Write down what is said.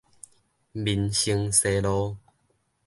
民生西路